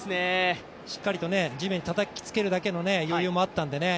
しっかり地面にたたきつけるだけの余裕があったんですけどね